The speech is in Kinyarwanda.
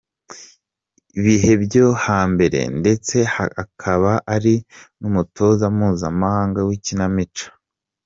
bihe byo hambere, ndetse akaba ari numutoza mpuzamahanga wikinamico.